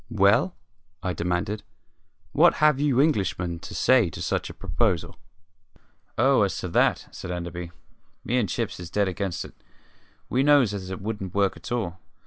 "Well," I demanded, "what have you Englishmen to say to such a proposal?" "Oh, as to that," said Enderby, "me and Chips is dead against it. We knows as it wouldn't work at all.